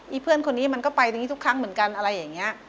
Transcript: เพื่อนคนนี้มันก็ไปตรงนี้ทุกครั้งเหมือนกันอะไรอย่างนี้